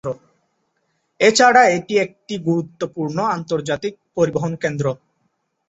এছাড়া এটি একটি গুরুত্বপূর্ণ আন্তর্জাতিক পরিবহন কেন্দ্র।